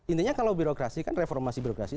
intinya kalau birokrasi kan reformasi birokrasi